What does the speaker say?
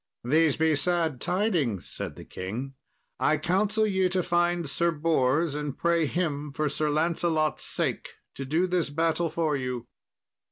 "These be sad tidings," said the king; "I counsel ye to find Sir Bors, and pray him for Sir Lancelot's sake to do this battle for you."